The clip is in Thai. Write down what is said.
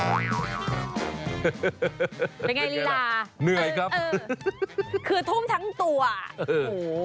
เป็นไงลีลาเออเออคือทุ่มทั้งตัวโห